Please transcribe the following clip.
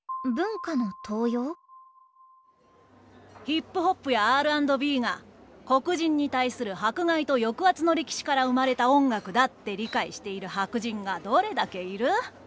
ヒップホップやＲ＆Ｂが黒人に対する迫害と抑圧の歴史から生まれた音楽だって理解している白人がどれだけいる？